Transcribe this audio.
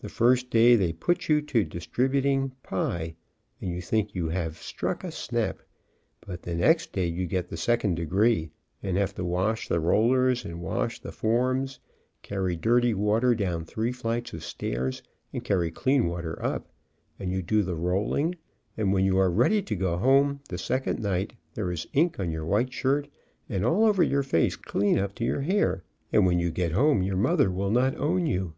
The first day they put you to distributing "pi," and you think you have struck a snap, but the next day you get the second degree and have to wash the rollers, and wash the forms, carry dirty water down three flights of stairs and carry clean water up, and you do the roll ing, and when you are ready to go home the second night there is ink on your white shirt, and all over your face clear up to your hair, and when you get home your mother will not own you.